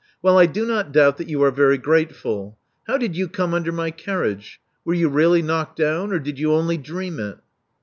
Well, I do not doubt that you are very grateful. How did you come under my carriage? Were you really knocked down; or did you only dream it?"